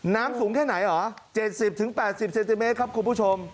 น้ำสูงแค่ไหนเหรอ๗๐๘๐เซนติเมตรครับคุณผู้ชม